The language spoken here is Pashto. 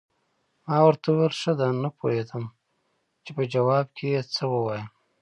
ما ورته وویل: ښه ده، نه پوهېدم چې په ځواب کې یې څه ووایم.